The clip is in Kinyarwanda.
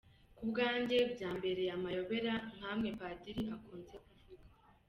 Ku bwanjye byambereye amayobera nkamwe padiri akunze kuvuga.